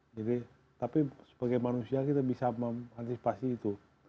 jadi tapi sebagai manusia kita bisa mengantisipasi itu